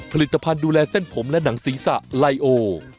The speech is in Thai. ผลิตภัณฑ์ดูแลเส้นผมและหนังศีรษะไลโอ